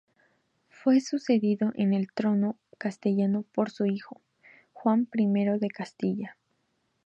Fue sucedido en el trono castellano por su hijo, Juan I de Castilla.